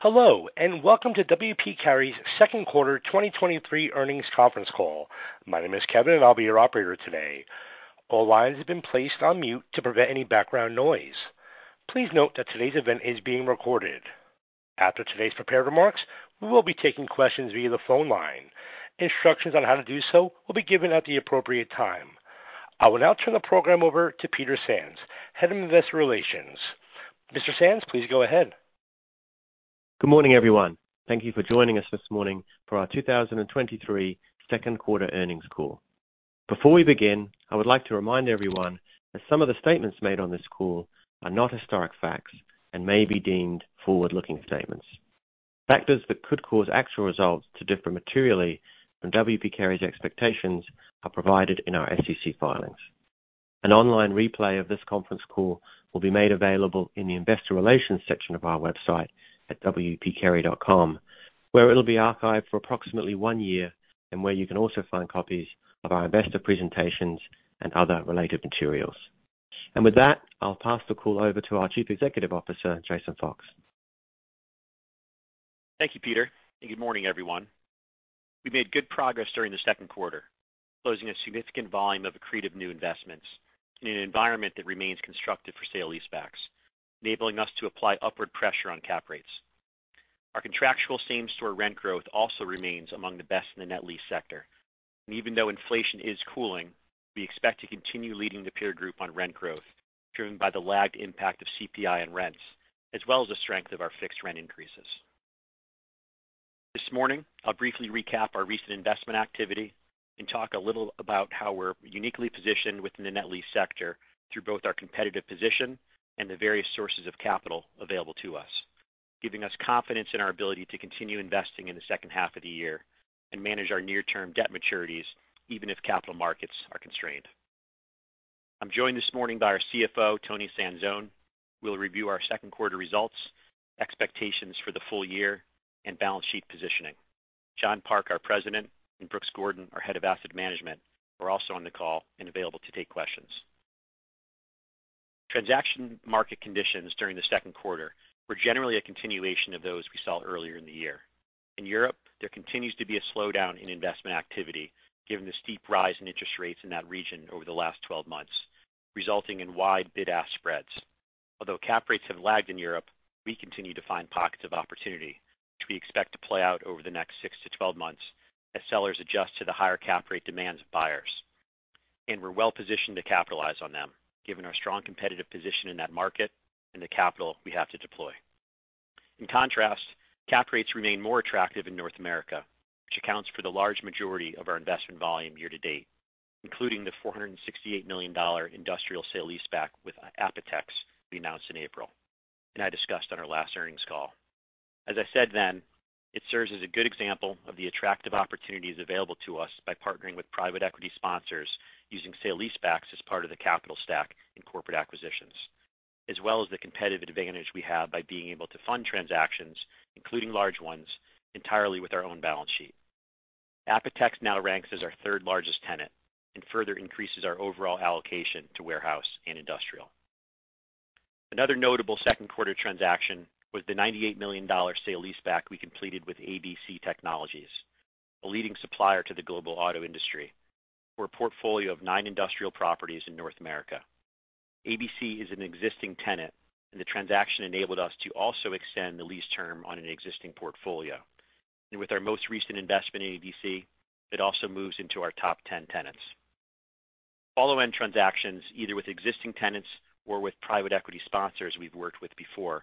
Hello, and welcome to W. P. Carey's second quarter 2023 earnings conference call. My name is Kevin, and I'll be your operator today. All lines have been placed on mute to prevent any background noise. Please note that today's event is being recorded. After today's prepared remarks, we will be taking questions via the phone line. Instructions on how to do so will be given at the appropriate time. I will now turn the program over to Peter Sands, Head of Investor Relations. Mr. Sands, please go ahead. Good morning, everyone. Thank you for joining us this morning for our 2023 second quarter earnings call. Before we begin, I would like to remind everyone that some of the statements made on this call are not historic facts and may be deemed forward-looking statements. Factors that could cause actual results to differ materially from W. P. Carey's expectations are provided in our SEC filings. An online replay of this conference call will be made available in the Investor Relations section of our website at wpcarey.com, where it will be archived for approximately one year, and where you can also find copies of our investor presentations and other related materials. With that, I'll pass the call over to our Chief Executive Officer, Jason Fox. Thank you, Peter. Good morning, everyone. We made good progress during the second quarter, closing a significant volume of accretive new investments in an environment that remains constructive for sale-leasebacks, enabling us to apply upward pressure on cap rates. Our contractual same-store rent growth also remains among the best in the net lease sector. Even though inflation is cooling, we expect to continue leading the peer group on rent growth, driven by the lagged impact of CPI on rents, as well as the strength of our fixed rent increases. This morning, I'll briefly recap our recent investment activity and talk a little about how we're uniquely positioned within the net lease sector through both our competitive position and the various sources of capital available to us, giving us confidence in our ability to continue investing in the second half of the year and manage our near-term debt maturities, even if capital markets are constrained. I'm joined this morning by our CFO, Toni Sanzone, who will review our second quarter results, expectations for the full year, and balance sheet positioning. John Park, our President, and Brooks Gordon, our Head of Asset Management, are also on the call and available to take questions. Transaction market conditions during the second quarter were generally a continuation of those we saw earlier in the year. In Europe, there continues to be a slowdown in investment activity, given the steep rise in interest rates in that region over the last 12 months, resulting in wide bid-ask spreads. Although cap rates have lagged in Europe, we continue to find pockets of opportunity, which we expect to play out over the next 6 to 12 months as sellers adjust to the higher cap rate demands of buyers. We're well positioned to capitalize on them, given our strong competitive position in that market and the capital we have to deploy. In contrast, cap rates remain more attractive in North America, which accounts for the large majority of our investment volume year to date, including the $468 million industrial sale-leaseback with APOTEX we announced in April, and I discussed on our last earnings call. As I said then, it serves as a good example of the attractive opportunities available to us by partnering with private equity sponsors using sale-leasebacks as part of the capital stack in corporate acquisitions, as well as the competitive advantage we have by being able to fund transactions, including large ones, entirely with our own balance sheet. APOTEX now ranks as our third-largest tenant and further increases our overall allocation to warehouse and industrial. Another notable second quarter transaction was the $98 million sale-leaseback we completed with ABC Technologies, a leading supplier to the global auto industry, for a portfolio of nine industrial properties in North America. The transaction enabled us to also extend the lease term on an existing portfolio. With our most recent investment in ABC, it also moves into our top 10 tenants. Follow-on transactions, either with existing tenants or with private equity sponsors we've worked with before,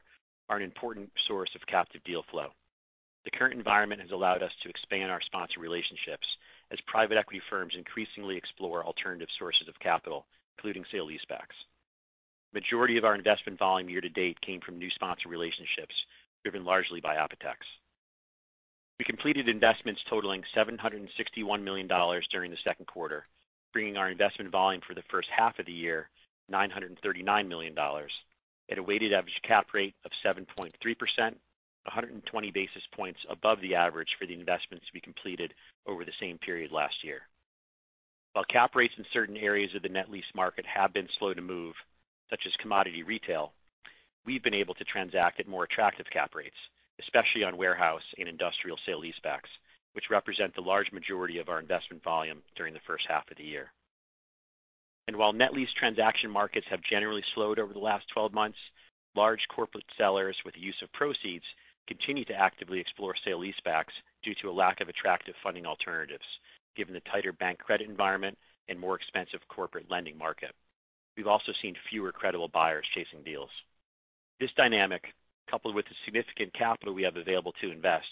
are an important source of captive deal flow. The current environment has allowed us to expand our sponsor relationships as private equity firms increasingly explore alternative sources of capital, including sale-leasebacks. Majority of our investment volume year to date came from new sponsor relationships, driven largely by APOTEX. We completed investments totaling $761 million during the second quarter, bringing our investment volume for the first half of the year, $939 million, at a weighted average cap rate of 7.3%, 120 basis points above the average for the investments we completed over the same period last year. While cap rates in certain areas of the net lease market have been slow to move, such as commodity retail, we've been able to transact at more attractive cap rates, especially on warehouse and industrial sale-leasebacks, which represent the large majority of our investment volume during the first half of the year. While net lease transaction markets have generally slowed over the last 12 months, large corporate sellers with the use of proceeds continue to actively explore sale-leasebacks due to a lack of attractive funding alternatives, given the tighter bank credit environment and more expensive corporate lending market. We've also seen fewer credible buyers chasing deals. This dynamic, coupled with the significant capital we have available to invest,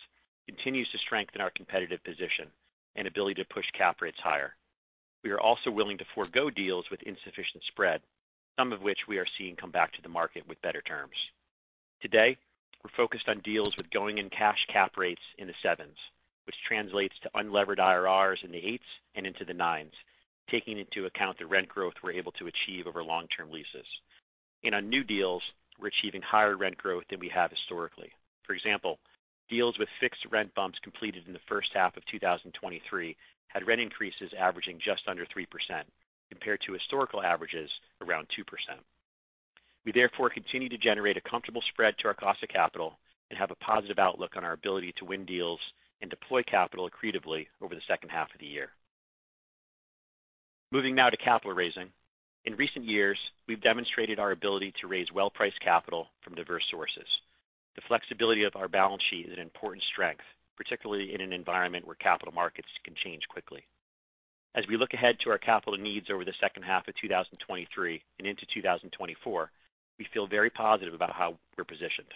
continues to strengthen our competitive position and ability to push cap rates higher. We are also willing to forgo deals with insufficient spread, some of which we are seeing come back to the market with better terms. Today, we're focused on deals with going-in cash cap rates in the 7s, which translates to unlevered IRRs in the 8s and into the 9s, taking into account the rent growth we're able to achieve over long-term leases. On new deals, we're achieving higher rent growth than we have historically. For example, deals with fixed rent bumps completed in the first half of 2023 had rent increases averaging just under 3%, compared to historical averages around 2%. We therefore continue to generate a comfortable spread to our cost of capital and have a positive outlook on our ability to win deals and deploy capital accretively over the second half of the year. Moving now to capital raising. In recent years, we've demonstrated our ability to raise well-priced capital from diverse sources. The flexibility of our balance sheet is an important strength, particularly in an environment where capital markets can change quickly. As we look ahead to our capital needs over the second half of 2023 and into 2024, we feel very positive about how we're positioned.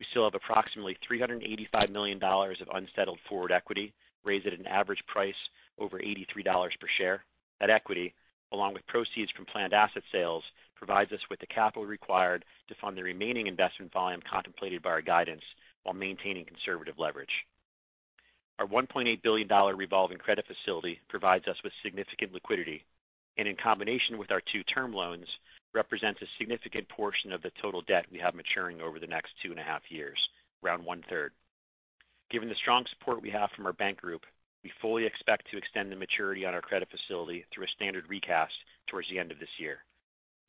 We still have approximately $385 million of unsettled forward equity, raised at an average price over $83 per share. That equity, along with proceeds from planned asset sales, provides us with the capital required to fund the remaining investment volume contemplated by our guidance, while maintaining conservative leverage. Our $1.8 billion revolving credit facility provides us with significant liquidity, and in combination with our 2 term loans, represents a significant portion of the total debt we have maturing over the next 2.5 years, around one-third. Given the strong support we have from our bank group, we fully expect to extend the maturity on our credit facility through a standard recast towards the end of this year.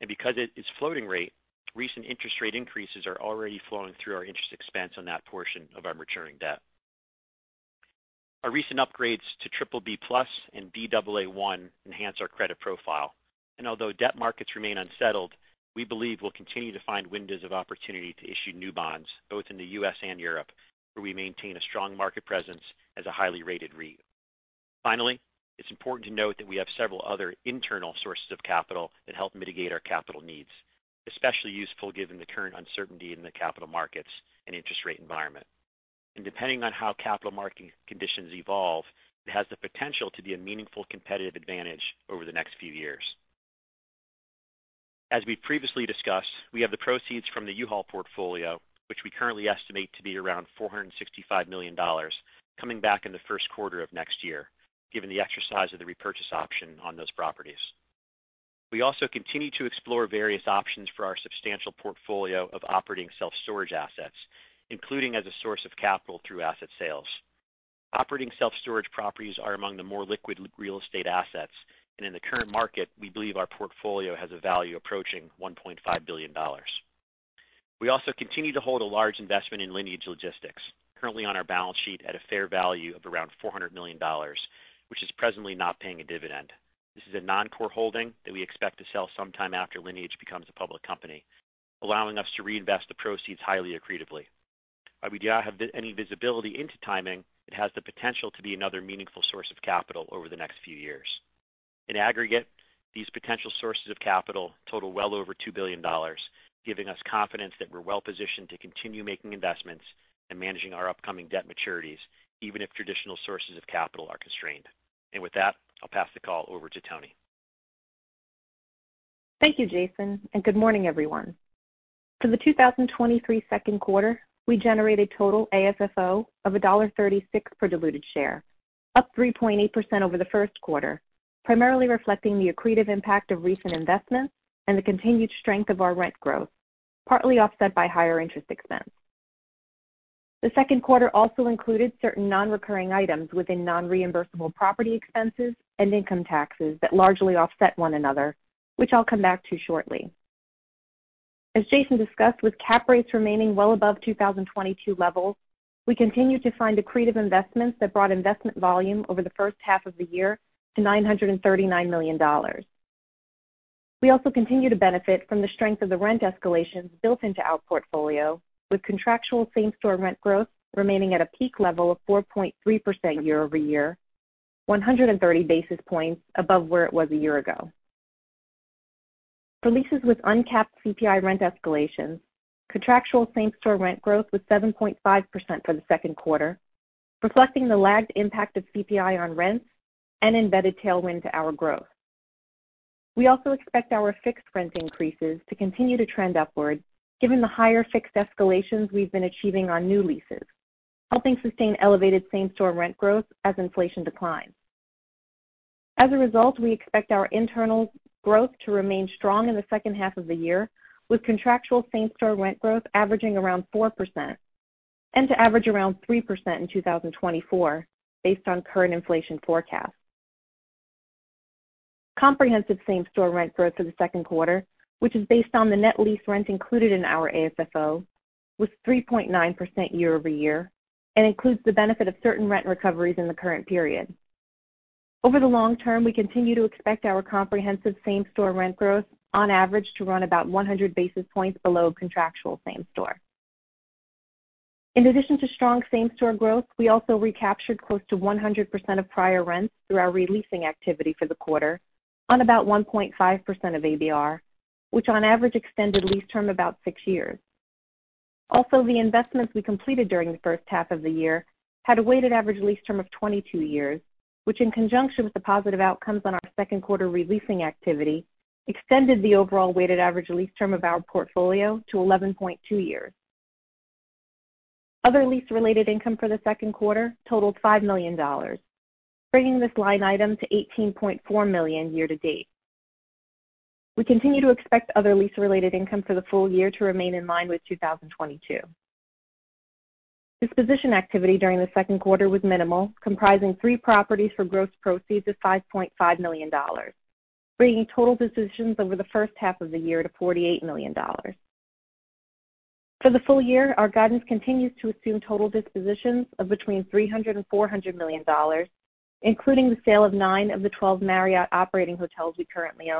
Because it is floating rate, recent interest rate increases are already flowing through our interest expense on that portion of our maturing debt. Our recent upgrades to BBB+ and Baa1 enhance our credit profile. Although debt markets remain unsettled, we believe we'll continue to find windows of opportunity to issue new bonds, both in the U.S. and Europe, where we maintain a strong market presence as a highly rated REIT. Finally, it's important to note that we have several other internal sources of capital that help mitigate our capital needs, especially useful given the current uncertainty in the capital markets and interest rate environment. Depending on how capital market conditions evolve, it has the potential to be a meaningful competitive advantage over the next few years. As we previously discussed, we have the proceeds from the U-Haul portfolio, which we currently estimate to be around $465 million, coming back in the first quarter of next year, given the exercise of the repurchase option on those properties. We also continue to explore various options for our substantial portfolio of operating self-storage assets, including as a source of capital through asset sales. Operating self-storage properties are among the more liquid real estate assets, and in the current market, we believe our portfolio has a value approaching $1.5 billion. We also continue to hold a large investment in Lineage Logistics, currently on our balance sheet at a fair value of around $400 million, which is presently not paying a dividend. This is a non-core holding that we expect to sell sometime after Lineage becomes a public company, allowing us to reinvest the proceeds highly accretively. While we do not have any visibility into timing, it has the potential to be another meaningful source of capital over the next few years. In aggregate, these potential sources of capital total well over $2 billion, giving us confidence that we're well positioned to continue making investments and managing our upcoming debt maturities, even if traditional sources of capital are constrained. With that, I'll pass the call over to Toni. Thank you, Jason, and good morning, everyone. For the 2023 second quarter, we generated total AFFO of $1.36 per diluted share, up 3.8% over the first quarter, primarily reflecting the accretive impact of recent investments and the continued strength of our rent growth, partly offset by higher interest expense. The second quarter also included certain non-recurring items within non-reimbursable property expenses and income taxes that largely offset one another, which I'll come back to shortly. As Jason discussed, with cap rates remaining well above 2022 levels, we continued to find accretive investments that brought investment volume over the first half of the year to $939 million. We also continue to benefit from the strength of the rent escalations built into our portfolio, with contractual same-store rent growth remaining at a peak level of 4.3% year-over-year, 130 basis points above where it was a year ago. For leases with uncapped CPI rent escalations, contractual same-store rent growth was 7.5% for the second quarter, reflecting the lagged impact of CPI on rents and embedded tailwind to our growth. We also expect our fixed rent increases to continue to trend upwards, given the higher fixed escalations we've been achieving on new leases, helping sustain elevated same-store rent growth as inflation declines. As a result, we expect our internal growth to remain strong in the second half of the year, with contractual same-store rent growth averaging around 4%, and to average around 3% in 2024, based on current inflation forecasts. Comprehensive same-store rent growth for the second quarter, which is based on the net lease rent included in our AFFO, was 3.9% year-over-year and includes the benefit of certain rent recoveries in the current period. Over the long term, we continue to expect our comprehensive same-store rent growth, on average, to run about 100 basis points below contractual same-store. In addition to strong same-store growth, we also recaptured close to 100% of prior rents through our re-leasing activity for the quarter on about 1.5% of ABR, which on average extended lease term about six years. The investments we completed during the first half of the year had a weighted average lease term of 22 years, which, in conjunction with the positive outcomes on our second quarter re-leasing activity, extended the overall weighted average lease term of our portfolio to 11.2 years. Other lease-related income for the second quarter totaled $5 million, bringing this line item to $18.4 million year to date. We continue to expect other lease-related income for the full year to remain in line with 2022. Disposition activity during the second quarter was minimal, comprising three properties for gross proceeds of $5.5 million, bringing total positions over the first half of the year to $48 million. For the full year, our guidance continues to assume total dispositions of between $300 million and $400 million, including the sale of 9 of the 12 Marriott operating hotels we currently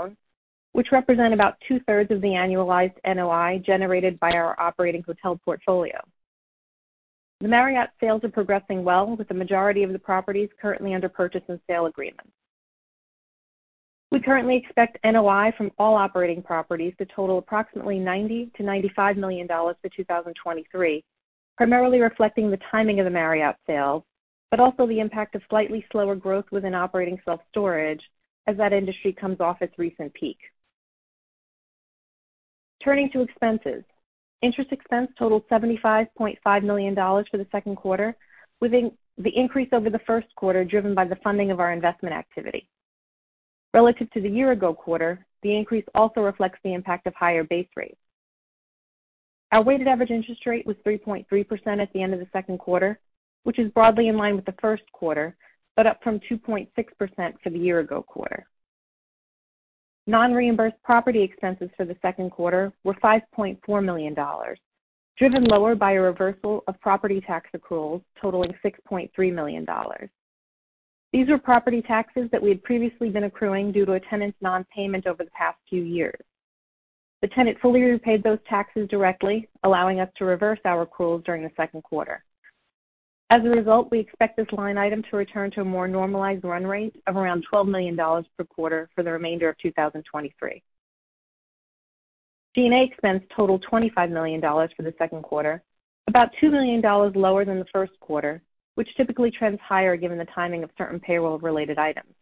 own, which represent about two-thirds of the annualized NOI generated by our operating hotel portfolio. The Marriott sales are progressing well, with the majority of the properties currently under purchase and sale agreement. We currently expect NOI from all operating properties to total approximately $90 million-$95 million for 2023, primarily reflecting the timing of the Marriott sales, also the impact of slightly slower growth within operating self-storage as that industry comes off its recent peak. Turning to expenses. Interest expense totaled $75.5 million for the second quarter, with the increase over the first quarter, driven by the funding of our investment activity. Relative to the year ago quarter, the increase also reflects the impact of higher base rates. Our weighted average interest rate was 3.3% at the end of the second quarter, which is broadly in line with the first quarter, but up from 2.6% for the year ago quarter. Non-reimbursed property expenses for the second quarter were $5.4 million, driven lower by a reversal of property tax accruals totaling $6.3 million. These are property taxes that we had previously been accruing due to a tenant's non-payment over the past few years. The tenant fully repaid those taxes directly, allowing us to reverse our accruals during the second quarter. As a result, we expect this line item to return to a more normalized run rate of around $12 million per quarter for the remainder of 2023. G&A expense totaled $25 million for the second quarter, about $2 million lower than the first quarter, which typically trends higher given the timing of certain payroll-related items.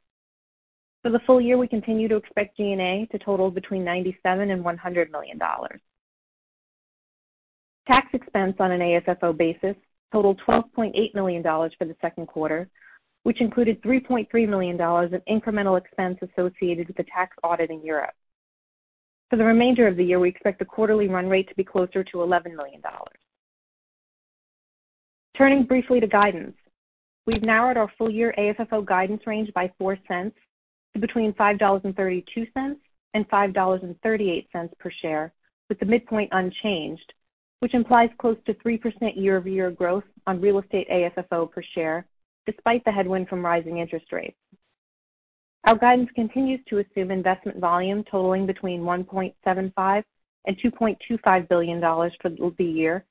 For the full year, we continue to expect G&A to total between $97 million and $100 million. Tax expense on an AFFO basis totaled $12.8 million for the second quarter, which included $3.3 million of incremental expense associated with the tax audit in Europe. For the remainder of the year, we expect the quarterly run rate to be closer to $11 million. Turning briefly to guidance. We've narrowed our full-year AFFO guidance range by $0.04 to between $5.32 and $5.38 per share, with the midpoint unchanged, which implies close to 3% year-over-year growth on real estate AFFO per share, despite the headwind from rising interest rates. Our guidance continues to assume investment volume totaling between $1.75 billion and $2.25 billion for the year.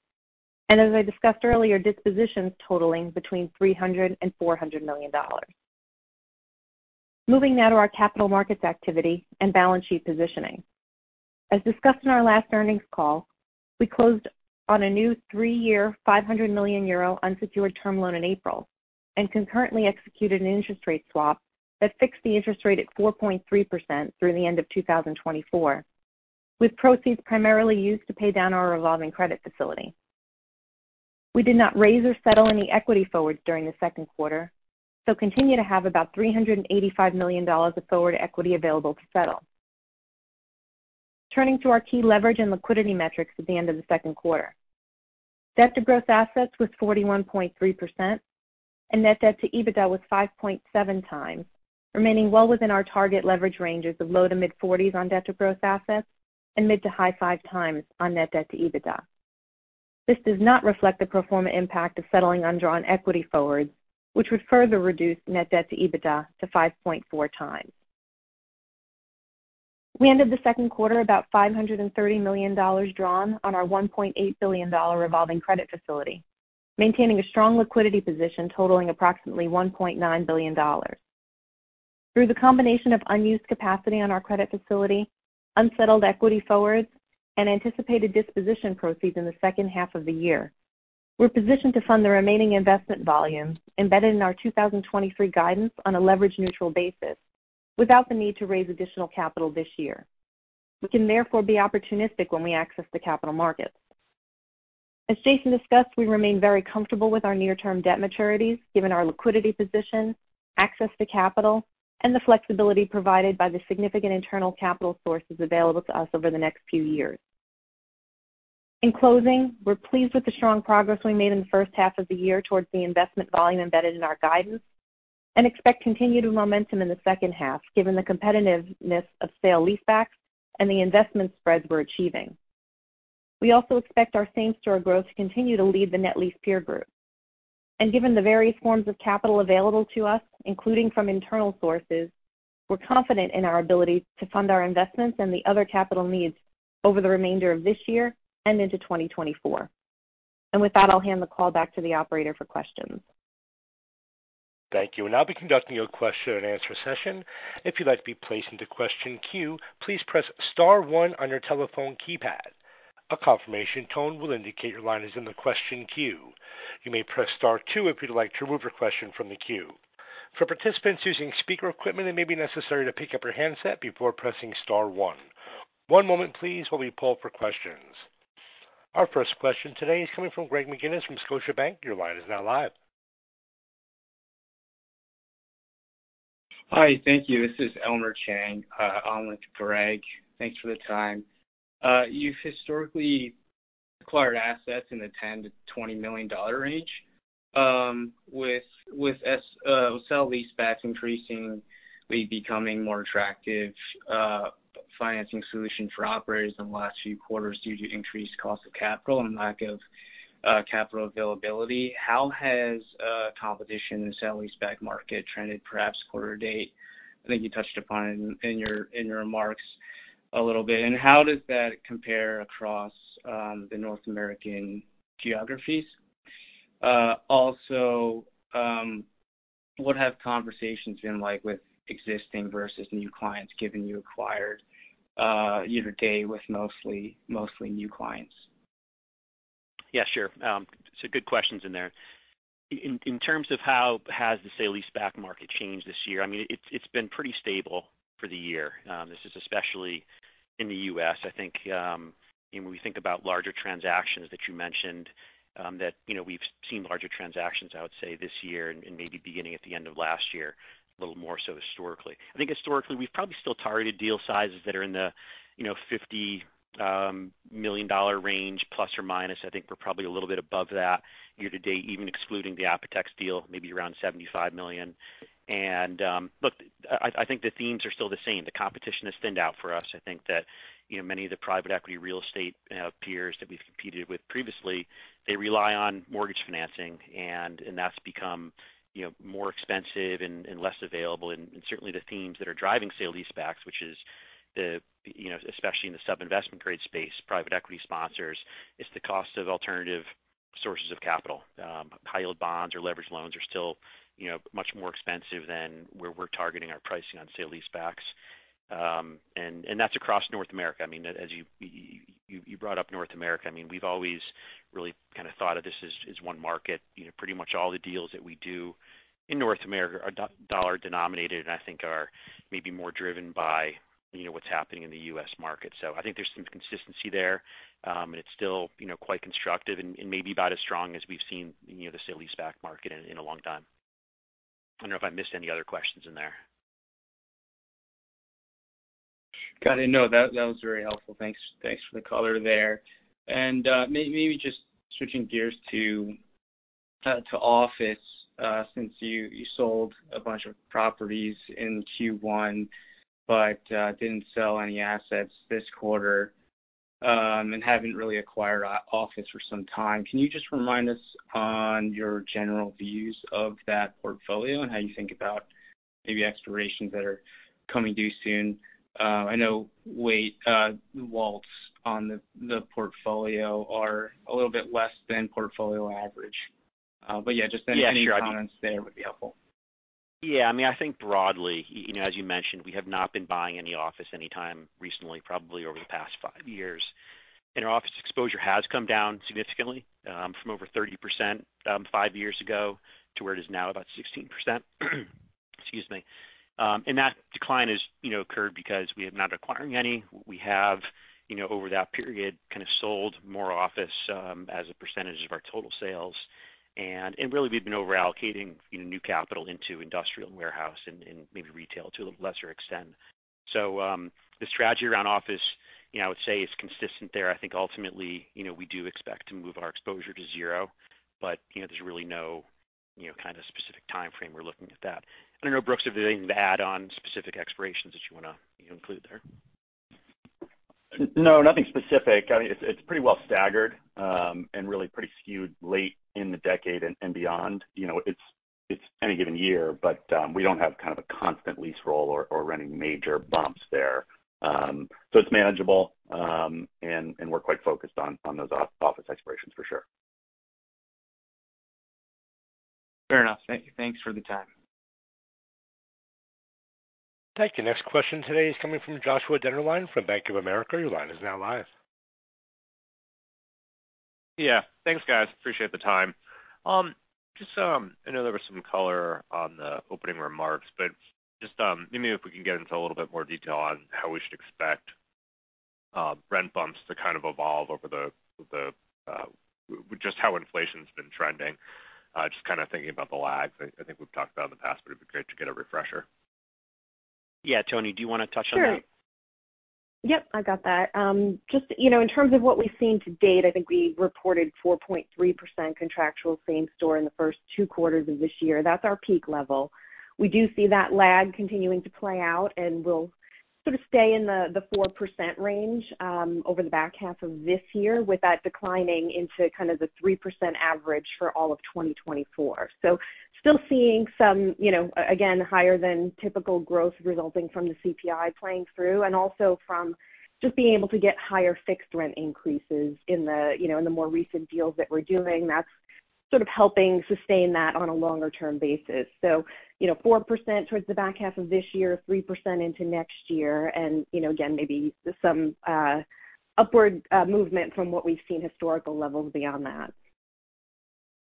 As I discussed earlier, dispositions totaling between $300 million and $400 million. Moving now to our capital markets activity and balance sheet positioning. As discussed in our last earnings call, we closed on a new three-year, 500 million euro unsecured term loan in April, concurrently executed an interest rate swap that fixed the interest rate at 4.3% through the end of 2024, with proceeds primarily used to pay down our revolving credit facility. We did not raise or settle any equity forwards during the second quarter, continue to have about $385 million of forward equity available to settle. Turning to our key leverage and liquidity metrics at the end of the second quarter. Debt to gross assets was 41.3%, net debt to EBITDA was 5.7 times, remaining well within our target leverage ranges of low to mid-forties on debt to gross assets and mid to high five times on net debt to EBITDA. This does not reflect the pro forma impact of settling undrawn equity forwards, which would further reduce net debt to EBITDA to 5.4 times. We ended the second quarter about $530 million drawn on our $1.8 billion revolving credit facility, maintaining a strong liquidity position totaling approximately $1.9 billion. Through the combination of unused capacity on our credit facility, unsettled equity forwards, and anticipated disposition proceeds in the second half of the year, we're positioned to fund the remaining investment volume embedded in our 2023 guidance on a leverage neutral basis, without the need to raise additional capital this year. We can therefore be opportunistic when we access the capital markets. As Jason discussed, we remain very comfortable with our near-term debt maturities, given our liquidity position, access to capital, and the flexibility provided by the significant internal capital sources available to us over the next few years. In closing, we're pleased with the strong progress we made in the first half of the year towards the investment volume embedded in our guidance and expect continued momentum in the second half, given the competitiveness of sale-leaseback and the investment spreads we're achieving. We also expect our same-store growth to continue to lead the Net lease peer group. Given the various forms of capital available to us, including from internal sources, we're confident in our ability to fund our investments and the other capital needs over the remainder of this year and into 2024. With that, I'll hand the call back to the operator for questions. Thank you. We'll now be conducting a question and answer session. If you'd like to be placed into question queue, please press star one on your telephone keypad. A confirmation tone will indicate your line is in the question queue. You may press Star two if you'd like to remove your question from the queue. For participants using speaker equipment, it may be necessary to pick up your handset before pressing Star one. One moment please, while we pull for questions. Our first question today is coming from Greg McGinniss from Scotiabank. Your line is now live. Hi, thank you. This is Elmer Chang, on with Greg. Thanks for the time. You've historically acquired assets in the $10 million-$20 million range. With sale-leasebacks increasingly becoming more attractive, financing solution for operators in the last few quarters due to increased cost of capital and lack of capital availability, how has competition in the sale-leaseback market trended perhaps quarter to date? I think you touched upon in, in your, in your remarks a little bit. How does that compare across North American geographies? Also, what have conversations been like with existing versus new clients, given you acquired year-to-date with mostly, mostly new clients? Yeah, sure. So good questions in there. In, in terms of how has the sale-leaseback market changed this year, I mean, it's, it's been pretty stable for the year. This is especially in the US. I think, when we think about larger transactions that you mentioned, that, you know, we've seen larger transactions, I would say, this year and, and maybe beginning at the end of last year, a little more so historically. I think historically, we've probably still targeted deal sizes that are in the, you know, $50 million range, ±. I think we're probably a little bit above that year to date, even excluding the APOTEX deal, maybe around $75 million. Look, I, I think the themes are still the same. The competition has thinned out for us. I think that, you know, many of the private equity real estate, peers that we've competed with previously, they rely on mortgage financing, and that's become, you know, more expensive and less available. Certainly the themes that are driving sale-leasebacks, which is the, you know, especially in the sub-investment grade space, private equity sponsors, it's the cost of alternative sources of capital. High-yield bonds or leverage loans are still, you know, much more expensive than where we're targeting our pricing on sale-leasebacks. That's across North America. I mean, as you, you, you brought up North America. I mean, we've always really kind of thought of this as, as one market. You know, pretty much all the deals that we do in North America are dollar denominated, and I think are maybe more driven by, you know, what's happening in the US market. I think there's some consistency there. And it's still, you know, quite constructive and, and maybe about as strong as we've seen, you know, the sale-leaseback market in, in a long time. I don't know if I missed any other questions in there. Got it. No, that, that was very helpful. Thanks, thanks for the color there. Maybe just switching gears to to office since you, you sold a bunch of properties in Q1, but didn't sell any assets this quarter, and haven't really acquired office for some time. Can you just remind us on your general views of that portfolio and how you think about maybe expirations that are coming due soon? I know WALTs on the portfolio are a little bit less than portfolio average. Yeah, just any comments there would be helpful. Yeah, I mean, I think broadly, you know, as you mentioned, we have not been buying any office anytime recently, probably over the past five years. Our office exposure has come down significantly, from over 30%, five years ago, to where it is now, about 16%. Excuse me. That decline has, you know, occurred because we have not acquiring any. We have, you know, over that period, kind of sold more office, as a percentage of our total sales. Really, we've been over-allocating, you know, new capital into industrial warehouse and, and maybe retail to a lesser extent. The strategy around office, you know, I would say is consistent there. I think ultimately, you know, we do expect to move our exposure to zero, but, you know, there's really no, you know, kind of specific timeframe we're looking at that. I don't know, Brooks, if there's anything to add on specific expirations that you want to, you know, include there. No, nothing specific. I mean, it's, it's pretty well staggered, and really pretty skewed late in the decade and beyond. You know, it's, it's any given year, but we don't have kind of a constant lease roll or any major bumps there. It's manageable, and we're quite focused on those office expirations for sure. Fair enough. Thank you. Thanks for the time. Thank you. Next question today is coming from Joshua Dennerlein from Bank of America. Your line is now live. Yeah. Thanks, guys. Appreciate the time. Just, I know there was some color on the opening remarks, but just maybe if we can get into a little bit more detail on how we should expect rent bumps to kind of evolve over the, just how inflation's been trending. Just kind of thinking about the lags. I think we've talked about in the past, but it'd be great to get a refresher. Yeah. Toni, do you want to touch on that? Sure. Yep, I got that. just, you know, in terms of what we've seen to date, I think we reported 4.3% contractual same store in the first 2 quarters of this year. That's our peak level. We do see that lag continuing to play out, and we'll sort of stay in the 4% range, over the back half of this year, with that declining into kind of the 3% average for all of 2024. Still seeing some, you know, again, higher than typical growth resulting from the CPI playing through, and also from just being able to get higher fixed rent increases in the, you know, in the more recent deals that we're doing. That's sort of helping sustain that on a longer-term basis. You know, 4% towards the back half of this year, 3% into next year, and, you know, again, maybe some upward movement from what we've seen historical levels beyond that.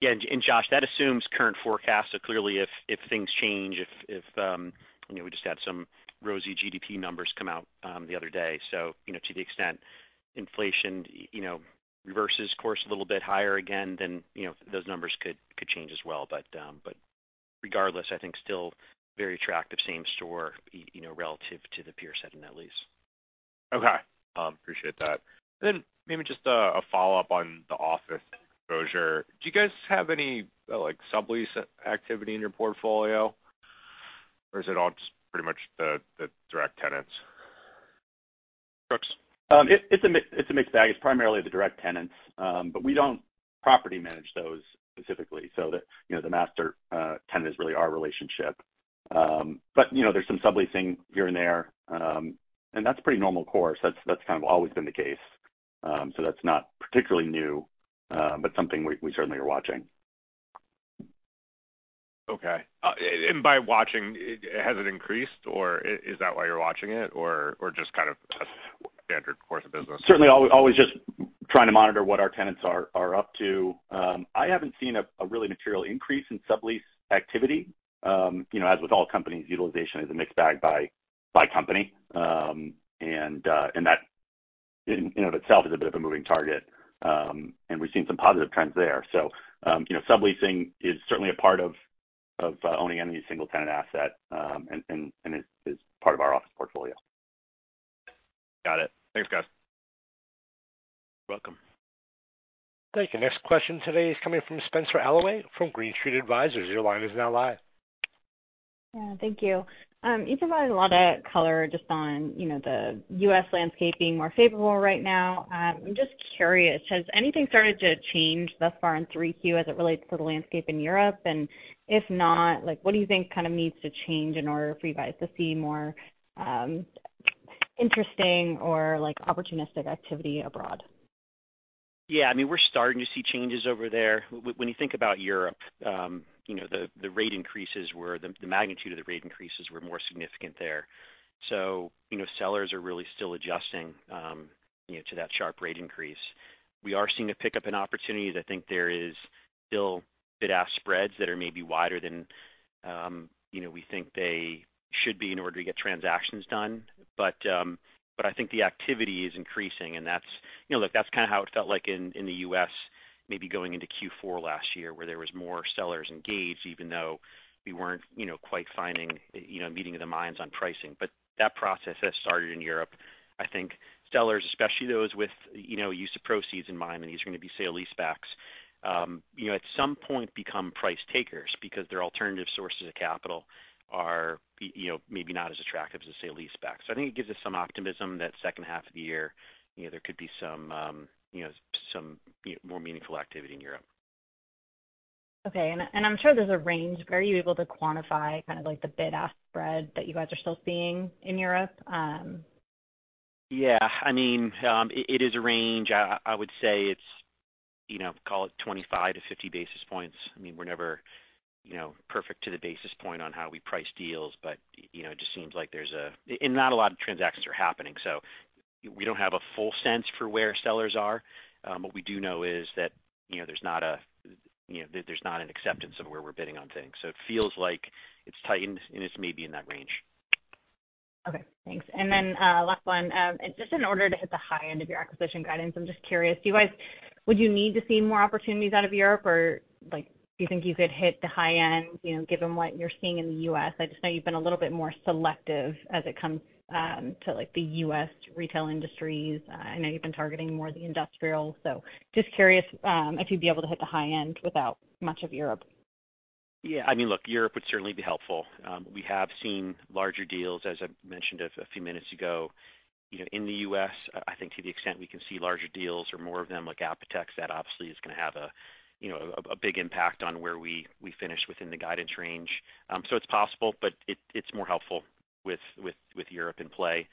Yeah, and, and Josh, that assumes current forecasts. Clearly, if, if things change, if, if you know, we just had some rosy GDP numbers come out the other day. You know, to the extent inflation, y- you know, reverses course a little bit higher again, then, you know, those numbers could, could change as well. Regardless, I think still very attractive same store, y- you know, relative to the peer set in net lease. Okay. appreciate that. Then maybe just a, a follow-up on the office exposure. Do you guys have any, like, sublease activity in your portfolio, or is it all just pretty much the, the direct tenants? Brooks? It, it's a mixed bag. It's primarily the direct tenants, we don't property manage those specifically. The, you know, the master tenant is really our relationship. You know, there's some subleasing here and there, that's pretty normal course. That's, that's kind of always been the case. That's not particularly new, something we, we certainly are watching. Okay. By watching, has it increased, or is that why you're watching it, or, or just kind of a standard course of business? Certainly, always just trying to monitor what our tenants are, are up to. I haven't seen a really material increase in sublease activity. You know, as with all companies, utilization is a mixed bag by company. And that in and of itself is a bit of a moving target, and we've seen some positive trends there. You know, subleasing is certainly a part of owning any single-tenant asset, and is part of our office portfolio. Got it. Thanks, guys. You're welcome. Thank you. Next question today is coming from Spenser Allaway from Green Street Advisors. Your line is now live. Yeah, thank you. You provided a lot of color just on, you know, the U.S. landscape being more favorable right now. I'm just curious, has anything started to change thus far in 3Q as it relates to the landscape in Europe? If not, like, what do you think kind of needs to change in order for you guys to see more interesting or, like, opportunistic activity abroad? Yeah, I mean, we're starting to see changes over there. When you think about Europe, the magnitude of the rate increases were more significant there. Sellers are really still adjusting to that sharp rate increase. We are seeing a pickup in opportunities. I think there is still bid-ask spreads that are maybe wider than we think they should be in order to get transactions done. I think the activity is increasing, and that's. That's kind of how it felt like in, in the US, maybe going into Q4 last year, where there was more sellers engaged, even though we weren't quite finding a meeting of the minds on pricing. That process has started in Europe. I think sellers, especially those with, you know, use of proceeds in mind, and these are going to be sale-leasebacks, you know, at some point become price takers because their alternative sources of capital are, you know, maybe not as attractive as a sale-leaseback. I think it gives us some optimism that second half of the year, you know, there could be some, you know, some more meaningful activity in Europe. Okay. I'm sure there's a range. Are you able to quantify kind of like the bid-ask spread that you guys are still seeing in Europe? Yeah. I mean, it is a range. I would say it's, you know, call it 25-50 basis points. I mean, we're never, you know, perfect to the basis point on how we price deals, but, you know, it just seems like there's a... and not a lot of transactions are happening, so we don't have a full sense for where sellers are. What we do know is that, you know, there's not a, you know, there's not an acceptance of where we're bidding on things. It feels like it's tightened, and it's maybe in that range. Okay, thanks. Last one. Just in order to hit the high end of your acquisition guidance, I'm just curious, would you need to see more opportunities out of Europe, or, like, do you think you could hit the high end, you know, given what you're seeing in the US? I just know you've been a little bit more selective as it comes, to, like, the US retail industries. I know you've been targeting more of the industrial. Just curious, if you'd be able to hit the high end without much of Europe. Yeah. I mean, look, Europe would certainly be helpful. We have seen larger deals, as I mentioned a few minutes ago. You know, in the U.S., I think to the extent we can see larger deals or more of them, like APOTEX, that obviously is gonna have a, you know, a big impact on where we, we finish within the guidance range. It's possible, but it's more helpful with Europe in play.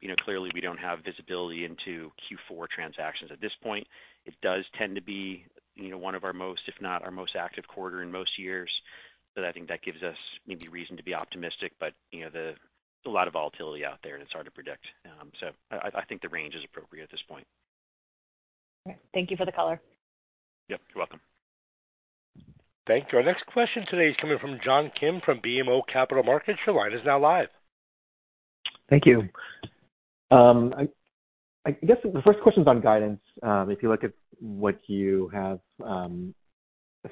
You know, clearly, we don't have visibility into Q4 transactions at this point. It does tend to be, you know, one of our most, if not, our most active quarter in most years. I think that gives us maybe reason to be optimistic, but, you know, a lot of volatility out there, and it's hard to predict. I, I, I think the range is appropriate at this point. Thank you for the color. Yep, you're welcome. Thank you. Our next question today is coming from John Kim from BMO Capital Markets. Your line is now live. Thank you. I guess the first question is on guidance. If you look at what you have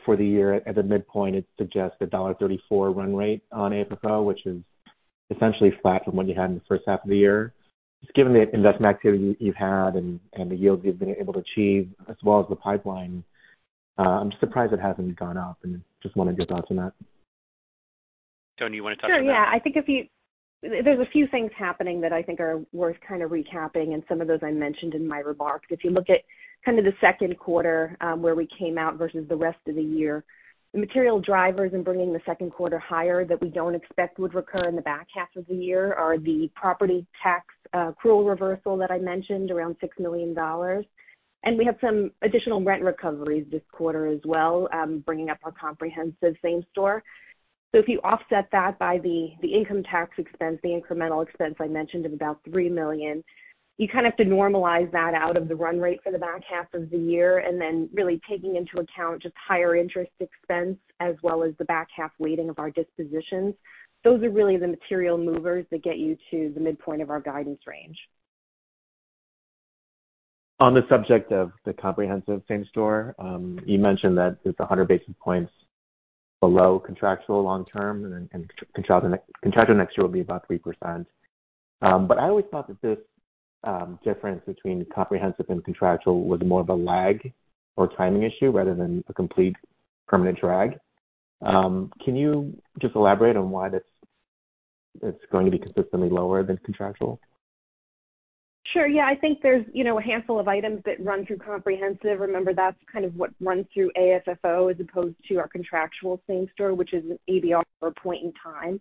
for the year at the midpoint, it suggests a $1.34 run rate on AFFO, which is essentially flat from what you had in the first half of the year. Just given the investment activity you've had and the yields you've been able to achieve, as well as the pipeline, I'm just surprised it hasn't gone up and just wondering your thoughts on that. Tony, you want to talk about that? Sure. Yeah. I think if you... There's a few things happening that I think are worth kind of recapping, and some of those I mentioned in my remarks. If you look at kind of the second quarter, where we came out versus the rest of the year, the material drivers in bringing the second quarter higher that we don't expect would recur in the back half of the year are the property tax accrual reversal that I mentioned, around $6 million. We have some additional rent recoveries this quarter as well, bringing up our comprehensive same store. If you offset that by the, the income tax expense, the incremental expense I mentioned of about $3 million, you kind of have to normalize that out of the run rate for the back half of the year, and then really taking into account just higher interest expense, as well as the back half weighting of our dispositions. Those are really the material movers that get you to the midpoint of our guidance range. On the subject of the comprehensive same store, you mentioned that it's 100 basis points below contractual long term, and contractual next year will be about 3%. I always thought that this difference between comprehensive and contractual was more of a lag or timing issue rather than a complete permanent drag. Can you just elaborate on why it's going to be consistently lower than contractual? Sure. Yeah, I think there's, you know, a handful of items that run through comprehensive. Remember, that's kind of what runs through AFFO, as opposed to our contractual same store, which is an ABR or point in time.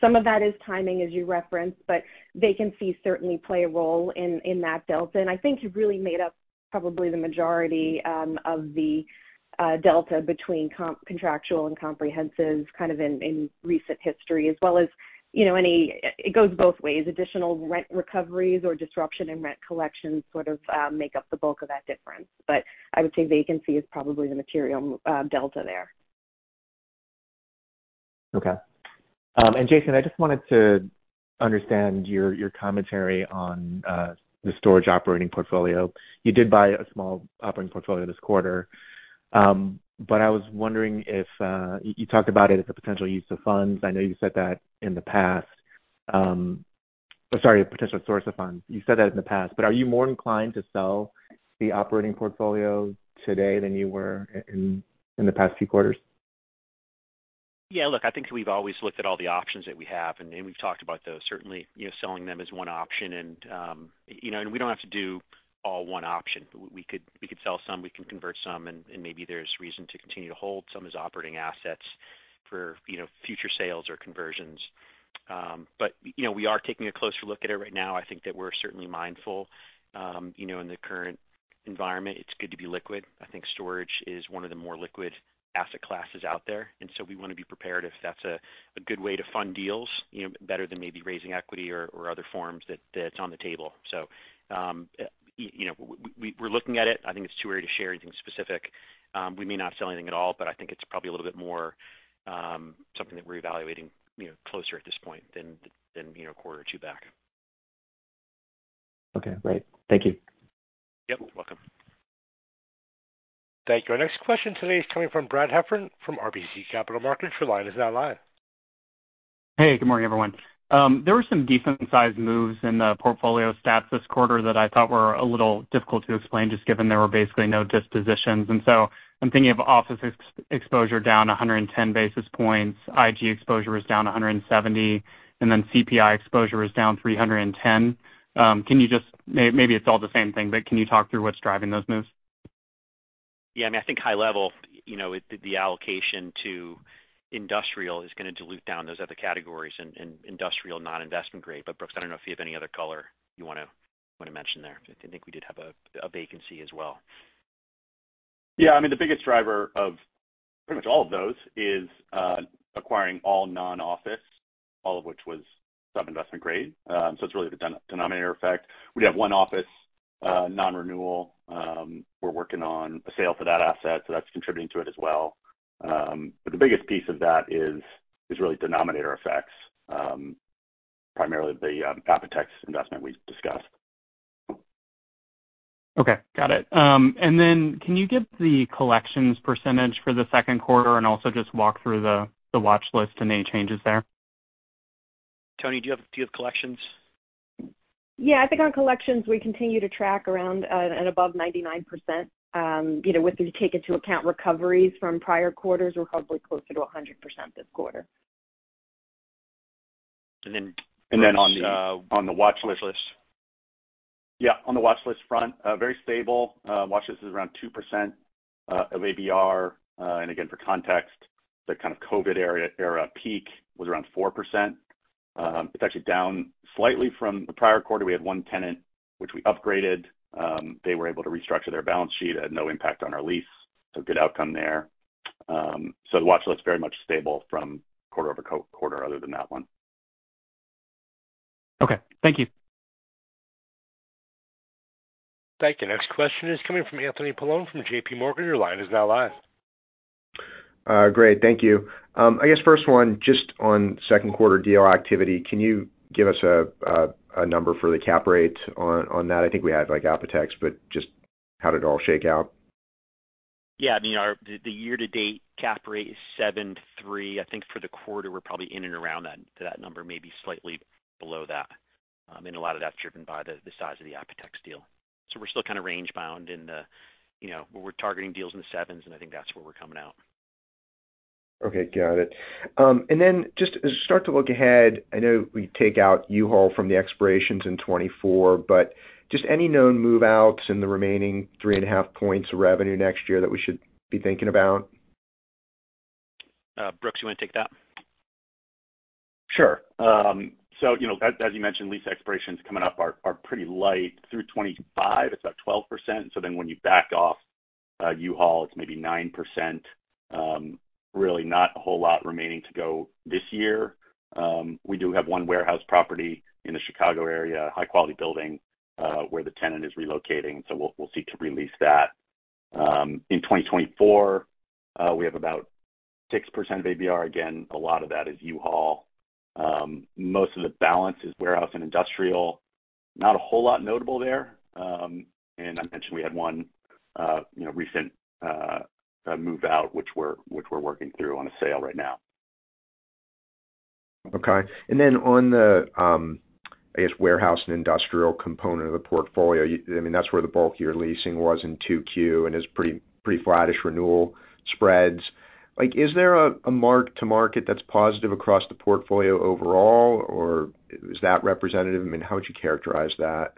Some of that is timing, as you referenced, but vacancy certainly play a role in, in that delta. I think you've really made up probably the majority of the delta between contractual and comprehensive kind of in, in recent history, as well as, you know, It goes both ways. Additional rent recoveries or disruption in rent collection sort of make up the bulk of that difference. I would say vacancy is probably the material delta there. Okay. Jason, I just wanted to understand your, your commentary on the storage operating portfolio. You did buy a small operating portfolio this quarter. I was wondering if you talked about it as a potential use of funds. I know you said that in the past. Sorry, a potential source of funds. You said that in the past. Are you more inclined to sell the operating portfolio today than you were in the past few quarters? Yeah, look, I think we've always looked at all the options that we have, and we've talked about those. Certainly, you know, selling them is one option, and, you know, and we don't have to do all one option. We could, we could sell some, we can convert some, and, and maybe there's reason to continue to hold some as operating assets for, you know, future sales or conversions. You know, we are taking a closer look at it right now. I think that we're certainly mindful, you know, in the current environment, it's good to be liquid. I think storage is one of the more liquid asset classes out there, and so we want to be prepared if that's a, a good way to fund deals, you know, better than maybe raising equity or, or other forms that, that's on the table. You know, we, we're looking at it. I think it's too early to share anything specific. We may not sell anything at all, but I think it's probably a little bit more, something that we're evaluating, you know, closer at this point than, than, you know, a quarter or two back. Okay, great. Thank you. Yep, welcome. Thank you. Our next question today is coming from Brad Heffern from RBC Capital Markets. Your line is now live. Hey, good morning, everyone. There were some decent-sized moves in the portfolio stats this quarter that I thought were a little difficult to explain, just given there were basically no dispositions. I'm thinking of office ex-exposure down 110 basis points. IG exposure is down 170, and then CPI exposure is down 310. Can you maybe it's all the same thing, but can you talk through what's driving those moves? Yeah, I mean, I think high level, you know, the allocation to industrial is going to dilute down those other categories and, and industrial, non-investment grade. Brooks, I don't know if you have any other color you want to, want to mention there. I think we did have a, a vacancy as well. Yeah, I mean, the biggest driver of pretty much all of those is acquiring all non-office, all of which was sub-investment grade. It's really the denominator effect. We have 1 office, non-renewal. We're working on a sale for that asset, so that's contributing to it as well. The biggest piece of that is, is really denominator effects, primarily the APOTEX investment we've discussed. Okay, got it. Then can you give the collections percentage for the second quarter and also just walk through the, the watchlist and any changes there? Toni, do you have, do you have collections? Yeah, I think on collections, we continue to track around, at above 99%. You know, with the take into account recoveries from prior quarters, we're probably closer to 100% this quarter. And then- Then on the, on the watchlist. Watchlist. Yeah, on the watchlist front, very stable. Watchlist is around 2% of ABR. Again, for context, the kind of COVID era, era peak was around 4%. It's actually down slightly from the prior quarter. We had 1 tenant, which we upgraded. They were able to restructure their balance sheet at no impact on our lease, so good outcome there. The watchlist is very much stable from quarter over quarter other than that 1. Okay, thank you. Thank you. Next question is coming from Anthony Paolone from J.P. Morgan. Your line is now live. Great, thank you. I guess first one, just on second quarter deal activity, can you give us a number for the cap rate on that? I think we had, like, Apotex, but just how did it all shake out? Yeah, I mean, our. The year-to-date cap rate is 7.3%. I think for the quarter, we're probably in and around that, that number, maybe slightly below that. A lot of that's driven by the size of the APOTEX deal. We're still kind of range bound in the, you know, we're targeting deals in the 7s, and I think that's where we're coming out. Okay, got it. Then just as you start to look ahead, I know we take out U-Haul from the expirations in 2024, but just any known move-outs in the remaining 3.5 points of revenue next year that we should be thinking about? Brooks, you want to take that? Sure. You know, as, as you mentioned, lease expirations coming up are, are pretty light. Through 2025, it's about 12%. Then when you back off U-Haul, it's maybe 9%. Really not a whole lot remaining to go this year. We do have one warehouse property in the Chicago area, high-quality building, where the tenant is relocating, so we'll, we'll seek to re-lease that. In 2024, we have about 6% of ABR. Again, a lot of that is U-Haul. Most of the balance is warehouse and industrial. Not a whole lot notable there. I mentioned we had one, you know, recent move out, which we're, which we're working through on a sale right now. Okay. Then on the, I guess, warehouse and industrial component of the portfolio, I mean, that's where the bulk of your leasing was in 2Q, and is pretty, pretty flattish renewal spreads. Like, is there a, a mark to market that's positive across the portfolio overall, or is that representative? I mean, how would you characterize that?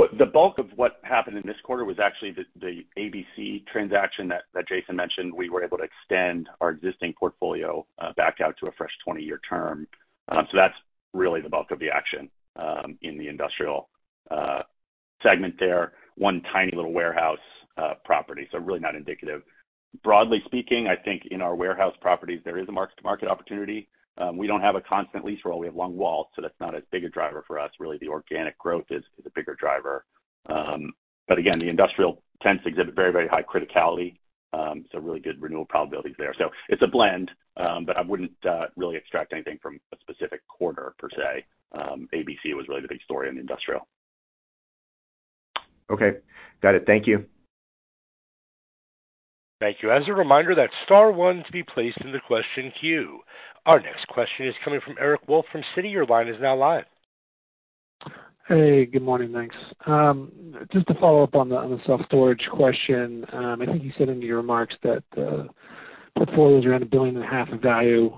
Well, the bulk of what happened in this quarter was actually the, the ABC transaction that, that Jason mentioned. We were able to extend our existing portfolio back out to a fresh 20-year term. That's really the bulk of the action in the industrial segment there. One tiny little warehouse property, so really not indicative. Broadly speaking, I think in our warehouse properties, there is a mark-to-market opportunity. We don't have a constant lease roll. We have long WALTs, that's not as big a driver for us. Really, the organic growth is, is a bigger driver. But again, the industrial tents exhibit very, very high criticality. Really good renewal probabilities there. It's a blend, but I wouldn't really extract anything from a specific quarter per se. ABC was really the big story in industrial. Okay. Got it. Thank you. Thank you. As a reminder, that's star one to be placed in the question queue. Our next question is coming from Eric Wolfe from Citi. Your line is now live. Hey, good morning, thanks. Just to follow up on the, on the self-storage question. I think you said in your remarks that the portfolio is around $1.5 billion of value.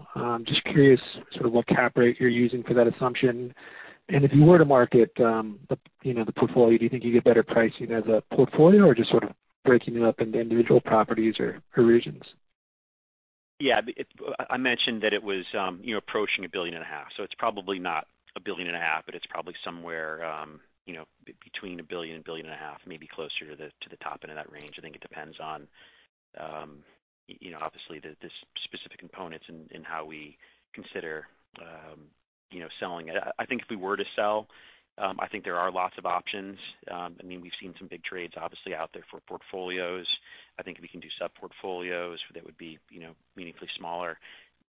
Just curious, sort of what cap rate you're using for that assumption. If you were to market, the, you know, the portfolio, do you think you get better pricing as a portfolio or just sort of breaking it up into individual properties or, or regions? Yeah, I mentioned that it was, you know, approaching $1.5 billion, so it's probably not $1.5 billion, but it's probably somewhere, you know, between $1 billion and $1.5 billion, maybe closer to the, to the top end of that range. I think it depends on, you know, obviously, the, the specific components and, and how we consider, you know, selling it. I, I think if we were to sell, I think there are lots of options. I mean, we've seen some big trades obviously out there for portfolios. I think we can do sub-portfolios that would be, you know, meaningfully smaller.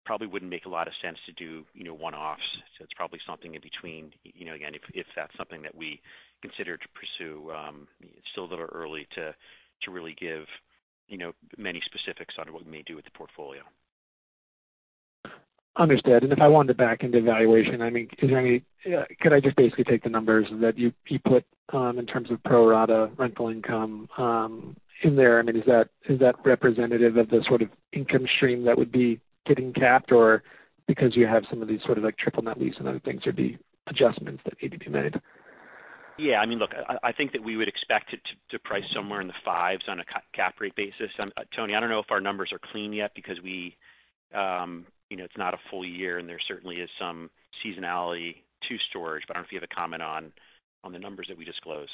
Probably wouldn't make a lot of sense to do, you know, one-offs, so it's probably something in between. You know, again, if, if that's something that we consider to pursue, it's still a little early to, to really give, you know, many specifics on what we may do with the portfolio. Understood. If I wanted to back into valuation, I mean, could I just basically take the numbers that you, you put in terms of pro rata rental income in there? I mean, is that, is that representative of the sort of income stream that would be getting capped, or because you have some of these sort of, like, triple net lease and other things, there'd be adjustments that need to be made? Yeah, I mean, look, I, I think that we would expect it to, to price somewhere in the 5s on a cap rate basis. Tony, I don't know if our numbers are clean yet because we, you know, it's not a full year, and there certainly is some seasonality to storage, but I don't know if you have a comment on, on the numbers that we disclose.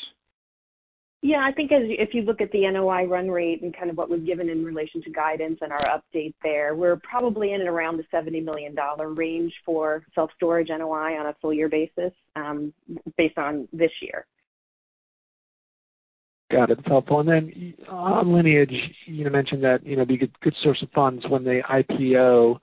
Yeah, I think as, if you look at the NOI run rate and kind of what was given in relation to guidance and our update there, we're probably in and around the $70 million range for self-storage NOI on a full year basis, based on this year. Got it. That's helpful. On Lineage, you mentioned that, you know, be a good source of funds when they IPO.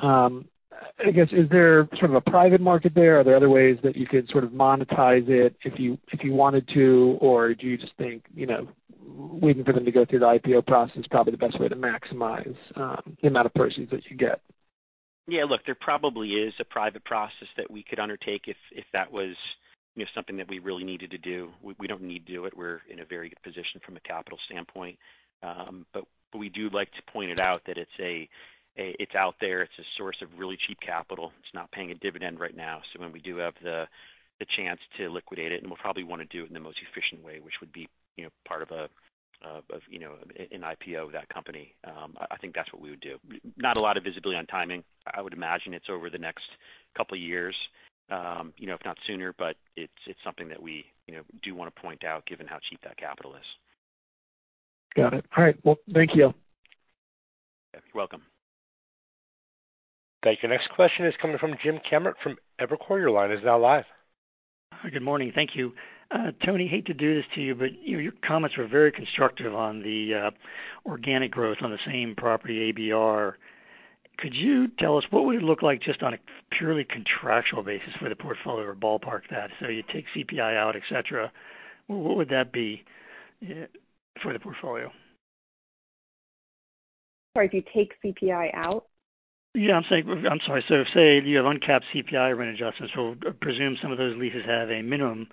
I guess, is there sort of a private market there? Are there other ways that you could sort of monetize it if you, if you wanted to, or do you just think, you know, waiting for them to go through the IPO process is probably the best way to maximize the amount of proceeds that you get? Yeah, look, there probably is a private process that we could undertake if, if that was, you know, something that we really needed to do. We, we don't need to do it. We're in a very good position from a capital standpoint. We do like to point it out that it's out there. It's a source of really cheap capital. It's not paying a dividend right now. When we do have the chance to liquidate it, and we'll probably want to do it in the most efficient way, which would be, you know, part of, you know, an IPO of that company, I think that's what we would do. Not a lot of visibility on timing. I would imagine it's over the next couple of years, you know, if not sooner, but it's, it's something that we, you know, do want to point out, given how cheap that capital is. Got it. All right, well, thank you. You're welcome. Thank you. Next question is coming from James Kammert from Evercore. Your line is now live. Good morning. Thank you. Toni, hate to do this to you, but your, your comments were very constructive on the, organic growth on the same property, ABR. Could you tell us what would it look like just on a purely contractual basis for the portfolio, or ballpark that? You take CPI out, et cetera. What would that be for the portfolio? Sorry, if you take CPI out? Yeah, I'm saying... I'm sorry. Say you have uncapped CPI rent adjustments, so presume some of those leases have a minimum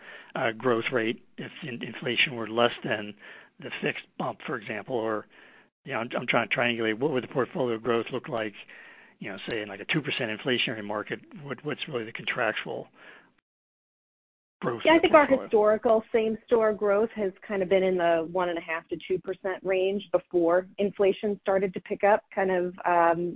growth rate if inflation were less than the fixed bump, for example, or, you know, I'm trying to triangulate. What would the portfolio growth look like, you know, say, in, like, a 2% inflationary market? What, what's really the contractual growth? Yeah, I think our historical same store growth has kind of been in the 1.5%-2% range before inflation started to pick up kind of,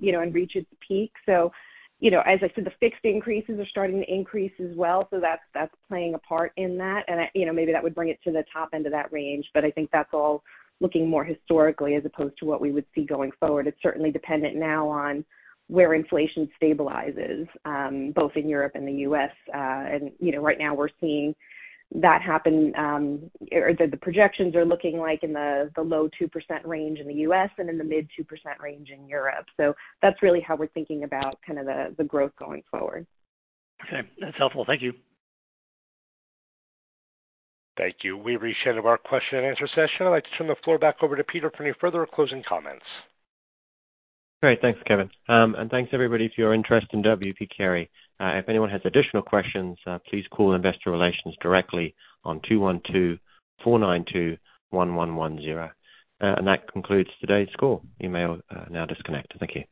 you know, and reach its peak. You know, as I said, the fixed increases are starting to increase as well, so that's, that's playing a part in that. You know, maybe that would bring it to the top end of that range, but I think that's all looking more historically as opposed to what we would see going forward. It's certainly dependent now on where inflation stabilizes, both in Europe and the US. You know, right now we're seeing that happen, or the, the projections are looking like in the, the low 2% range in the US and in the mid-2% range in Europe. That's really how we're thinking about kind of the, the growth going forward. Okay, that's helpful. Thank you. Thank you. We've reached the end of our question and answer session. I'd like to turn the floor back over to Peter for any further closing comments. Great. Thanks, Kevin. Thanks everybody for your interest in W. P. Carey. If anyone has additional questions, please call investor relations directly on 212-492-1110. That concludes today's call. You may now disconnect. Thank you.